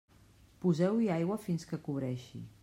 Poseu-hi aigua fins que cobreixi.